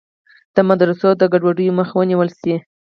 د مدرسو د ګډوډیو مخه ونیول شي.